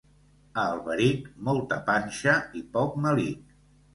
A Alberic, molta panxa i poc melic.